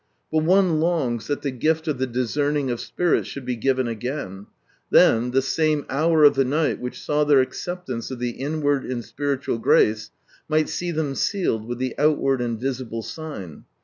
But one longs that the gift of the discerning of spirits should be given again; then "the same hour of the night" which saw their acceptance of the inward and spiritual grace, might see them sealed with the out ward and visible sign.